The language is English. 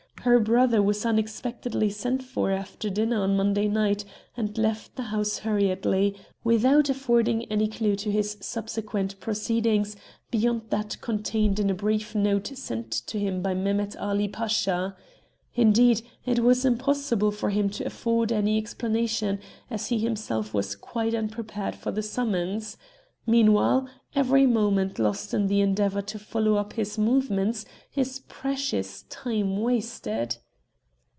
Her brother was unexpectedly sent for after dinner on Monday night, and left the house hurriedly, without affording any clue to his subsequent proceedings beyond that contained in a brief note sent to him by Mehemet Ali Pasha. Indeed, it was impossible for him to afford any explanation, as he himself was quite unprepared for the summons. Meanwhile, every moment lost in the endeavour to follow up his movements is precious time wasted."